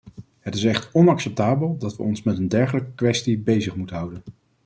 Het is echt onacceptabel dat we ons met een dergelijke kwestie bezig moeten houden.